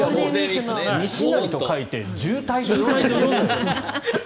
西成と書いて渋滞と読むと。